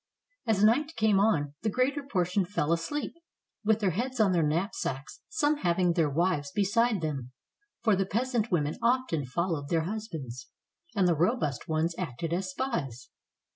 As night came on, the greater portion fell asleep, with their heads on their knapsacks, some having their wives beside them, for the peasant women of ten followed their husbands, and the robust ones acted as spies.